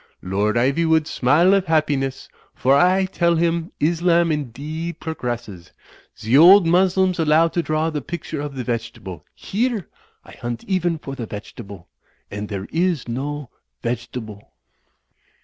Lord Ivywood smile of happiness; for 1 tell him Islam indeed progresses. Ze old Moslems 250 THE FLYING INN allow to draw the picture of the vegetable. Here I hunt even for the vegetable. And there is no vege table."